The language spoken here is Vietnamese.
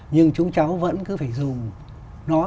nhưng chúng cháu vẫn cứ phải dùng nó